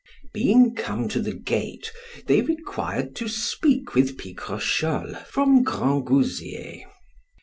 Being come to the gate, they required to speak with Picrochole from Grangousier.